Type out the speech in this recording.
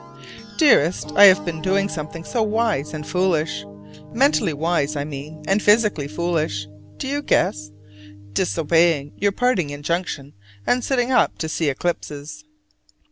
Dearest: I have been doing something so wise and foolish: mentally wise, I mean, and physically foolish. Do you guess? Disobeying your parting injunction, and sitting up to see eclipses.